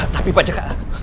tapi pak jk